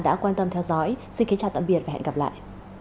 đã quan tâm theo dõi xin kính chào tạm biệt và hẹn gặp lại